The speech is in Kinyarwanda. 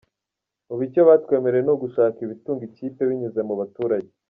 Ubu icyo batwemereye ni ugushaka ibitunga ikipe binyuze mu baturage.